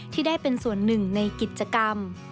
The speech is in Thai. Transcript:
ที่ได้เป็นส่วนหนึ่งในกิจกรรม